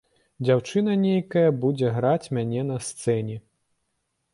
Дзяўчына нейкая будзе граць мяне на сцэне.